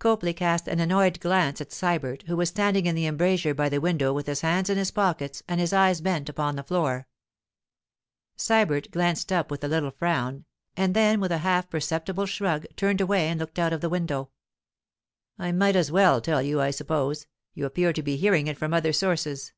Copley cast an annoyed glance at Sybert, who was standing in the embrasure by the window with his hands in his pockets and his eyes bent upon the floor. Sybert glanced up with a little frown, and then with a half perceptible shrug turned away and looked out of the window. 'I might as well tell you, I suppose—you appear to be hearing it from other sources.